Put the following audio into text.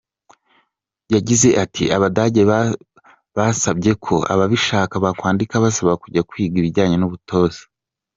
Yagize ati “Abadage basabye ko ababishaka bakwandika basaba kujya kwiga ibijyanye n’ubutoza.